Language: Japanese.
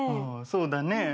そうだね。